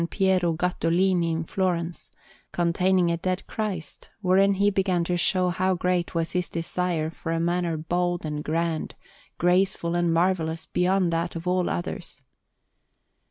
Piero Gattolini in Florence, containing a Dead Christ, wherein he began to show how great was his desire for a manner bold and grand, graceful and marvellous beyond that of all others.